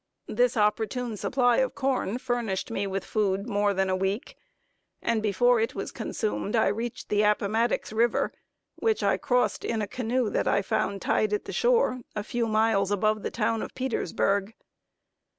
This opportune supply of corn furnished me with food more than a week, and before it was consumed I reached the Appomattox river, which I crossed in a canoe that I found tied at the shore, a few miles above the town of Petersburg.